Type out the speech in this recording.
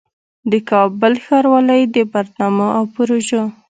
د کابل ښاروالۍ د برنامو او پروژو